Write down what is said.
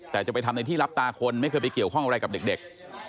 แต่จะไปทำในที่รับตาคนไม่เคยไปเกี่ยวข้องอะไรกับเด็ก